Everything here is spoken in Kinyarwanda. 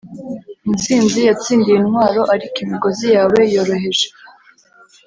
intsinzi yatsindiye intwaro; ariko imigozi yawe yoroheje